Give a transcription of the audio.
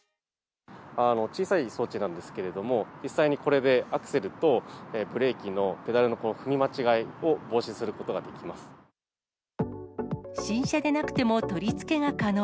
小さい装置なんですけれども、実際にこれでアクセルとブレーキのペダルの踏み間違いを防止する新車でなくても取り付けが可能。